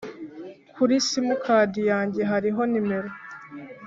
kuri Simukadi yanjye hariho nimero